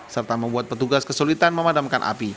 serta membuat petugas kesulitan memadamkan api